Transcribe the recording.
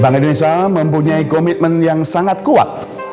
bank indonesia mempunyai komitmen yang sangat kuat